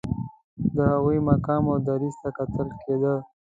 د هغوی مقام او دریځ ته کتل کېده.